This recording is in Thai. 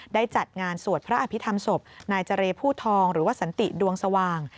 จัดงานสวดพระอภิษฐรรมศพนายเจรผู้ทองหรือว่าสันติดวงสว่าง